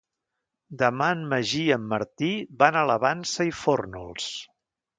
Demà en Magí i en Martí van a la Vansa i Fórnols.